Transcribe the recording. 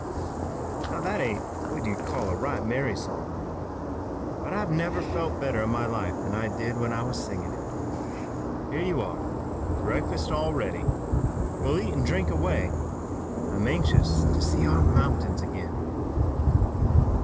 "Now that ain't what you'd call a right merry song, but I never felt better in my life than I did when I was singin' it. Here you are, breakfast all ready! We'll eat, drink an' away. I'm anxious to see our mountains ag'in."